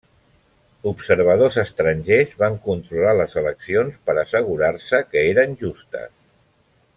Observadors estrangers van controlar les eleccions per assegurar-se que eren justes.